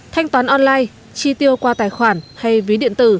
thanh toán online chi tiêu qua tài khoản hay ví điện tử